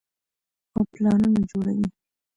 او پلانونه جوړوي -